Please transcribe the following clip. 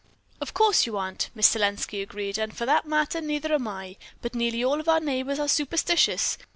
"Of course you aren't," Miss Selenski agreed, "and, for that matter, neither am I. But nearly all of our neighbors are superstitious.